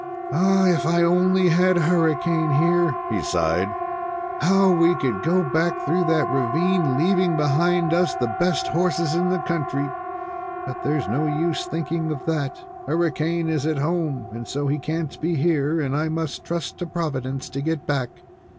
Ah, if I only had Hurricane here," he sighed. "How we would go back through that ravine, leaving behind us the best horses in the country; but there's no use of thinking of that. Hurricane is at home, and so he can't be here, and I must trust to Providence to get back.